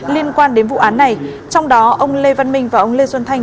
liên quan đến vụ án này trong đó ông lê văn minh và ông lê xuân thanh